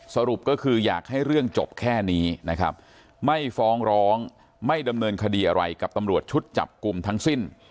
สรุปก็คืออยากให้เรื่องจบแค่นี้นะครับไม่ฟ้องร้องไม่ดำเนินคดีอะไรกับตำรวจชุดจับกลุ่มทั้งสิ้น